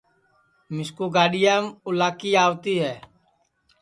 مِسکُو گاڈِؔیام اُلاکی آوتی ہے